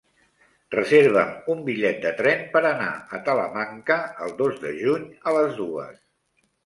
Reserva'm un bitllet de tren per anar a Talamanca el dos de juny a les dues.